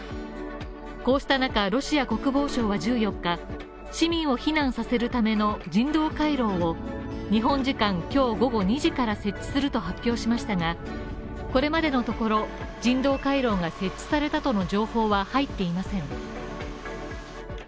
こうした中、ロシア国防省は１４日、市民を避難させるための人道回廊を日本時間今日午後２時から設置すると発表しましたが、これまでのところ、人道回廊が設置されたとの情報は入っていません。